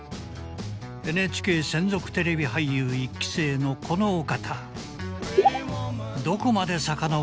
ＮＨＫ専属テレビ俳優一期生のこのお方。